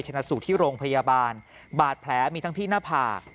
ชนะสูตรที่โรงพยาบาลบาดแผลมีทั้งที่หน้าผาก